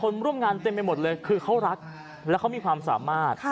ร่วมงานเต็มไปหมดเลยคือเขารักและเขามีความสามารถ